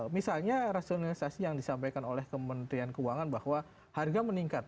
misalnya rasionalisasi yang disampaikan oleh kementerian keuangan bahwa harga meningkat